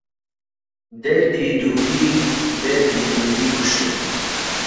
دەردی دووری... دەردی دووری کوشتمی